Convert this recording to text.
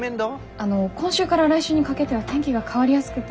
あの今週から来週にかけては天気が変わりやすくて。